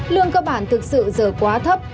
lương cơ bản thực sự giờ quá thấp